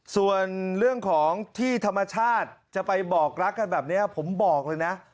ส่วนเรื่องของที่ธรรมชาติจะไปบอกรักกันแบบนี้ผมบอกเลยนะ